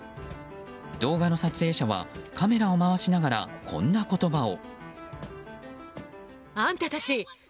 動画の撮影者はカメラを回しながらこんな言葉を。